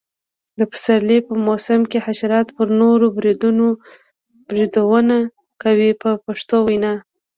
د پسرلي په موسم کې حشرات پر ونو بریدونه کوي په پښتو وینا.